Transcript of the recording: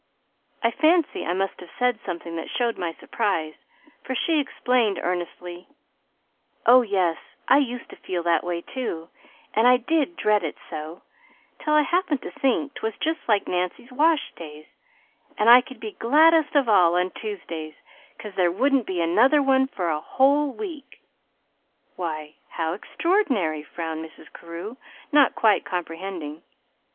"I fancy I must have said something that showed my surprise, for she explained earnestly: 'Oh, yes, I used to feel that way, too, and I did dread it so, till I happened to think 'twas just like Nancy's wash days, and I could be gladdest of all on TUESDAYS, 'cause there wouldn't be another one for a whole week.'" "Why, how extraordinary!" frowned Mrs. Carew, not quite comprehending.